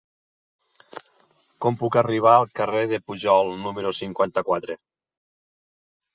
Com puc arribar al carrer de Pujol número cinquanta-quatre?